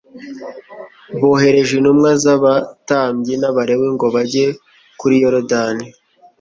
bohereje intumwa z’Abatambyi n’Abalewi ngo bajye kuri Yorodani,